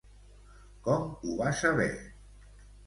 Com ho va saber?